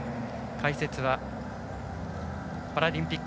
解説はパラリンピック